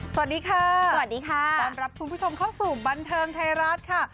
สวัสดีค่ะสวัสดีค่ะต้อนรับคุณผู้ชมเข้าสู่บันเทิงไทยรัฐค่ะ